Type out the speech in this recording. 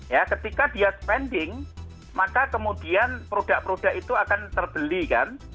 ya ketika dia spending maka kemudian produk produk itu akan terbeli kan